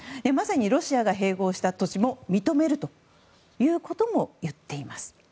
ロシアが併合した土地も認めるということも言っています。